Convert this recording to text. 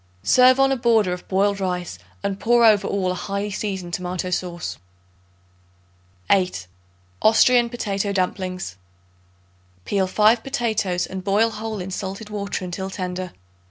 Serve on a border of boiled rice and pour over all a highly seasoned tomato sauce. 8. Austrian Potato Dumplings. Peel 5 potatoes and boil whole in salted water until tender.